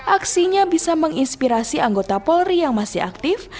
aksinya bisa menginspirasi anggota polri yang masih aktif